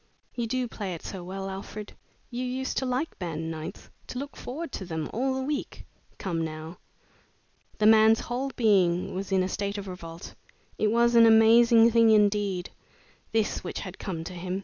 You do play it so well, Alfred. You used to like band nights to look forward to them all the week. Come, now!" The man's whole being was in a state of revolt. It was an amazing thing indeed, this which had come to him.